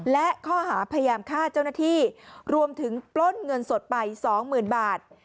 และข้อหาพยายามฆ่าเจ้าหน้าที่รวมถึงปล้นเงินสดไปสองหมื่นบาท